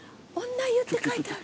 女湯って書いてある。